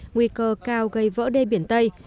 nguy cơ cao gây vỡ đê biển tây